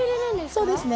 そうですね。